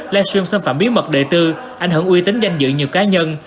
livestream xâm phạm bí mật đệ tư ảnh hưởng uy tính danh dự nhiều cá nhân